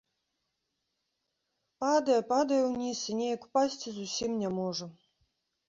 Падае, падае ўніз і неяк упасці зусім не можа.